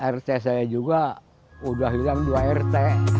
rt saya juga udah hilang dua rt